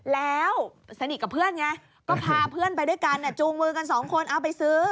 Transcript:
แล้วสนิทกับเพื่อนไงก็พาเพื่อนไปด้วยกันจูงมือกันสองคนเอาไปซื้อ